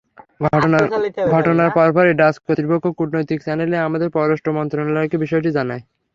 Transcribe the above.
ঘটনার পরপরই ডাচ কর্তৃপক্ষ কূটনৈতিক চ্যানেলে আমাদের পররাষ্ট্র মন্ত্রণালয়কে বিষয়টি জানায়।